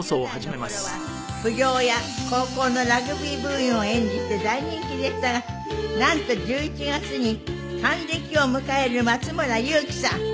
２０代の頃は不良や高校のラグビー部員を演じて大人気でしたがなんと１１月に還暦を迎える松村雄基さん。